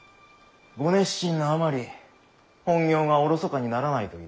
ご熱心なあまり本業がおろそかにならないといいですな。